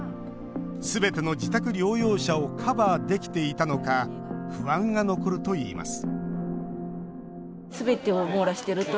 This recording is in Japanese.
すべての自宅療養者をカバーできていたのか不安が残るといいます